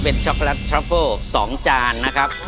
เบ็ดช็อกโกแลตทรัฟเฟิล๒จานนะครับ